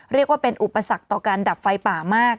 เรียกว่าเป็นอุปสรรคต่อการดับไฟป่ามาก